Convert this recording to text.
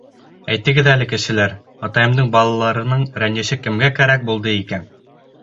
Әйтегеҙ әле, кешеләр, атайымдың балаларының рәнйеше кемгә кәрәк булды икән?